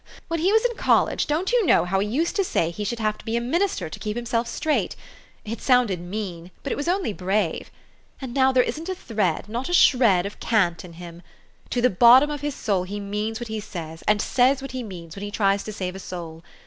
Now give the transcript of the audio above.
When he was in col lege, don't you know how he used to say he should have to be a minister to keep himself straight ? It sounded mean ; but it was only brave. And now there isn't a thread, not a shred, of cant in him. To the bottom of his soul he means what he says, and says what he means, when he tries to save a soul.